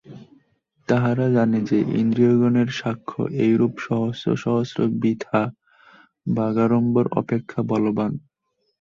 তাহারা জানে যে, ইন্দ্রিয়গণের সাক্ষ্য এইরূপ সহস্র সহস্র বৃথা বাগাড়ম্বর অপেক্ষা বলবান্।